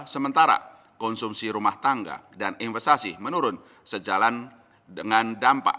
sementara konsumsi rumah tangga dan investasi menurun sejalan dengan dampak